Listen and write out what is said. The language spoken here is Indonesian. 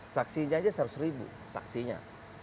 saksinya aja seratus ribu saksinya